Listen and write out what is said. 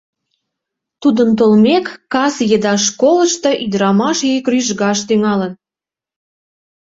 Тудын толмек, кас еда школышто ӱдырамаш йӱк рӱжгаш тӱҥалын.